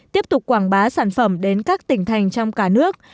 tiếp tục quảng bá sản phẩm đến các tỉnh thành trong cả nước